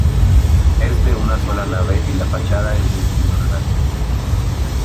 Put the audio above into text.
Es de una sola nave y la fachada es de estilo renacentista.